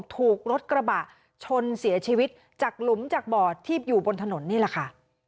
ถูกรถกระบะชนเสียชีวิตจากหลุมจากบ่อที่อยู่บนถนนนี่แหละค่ะ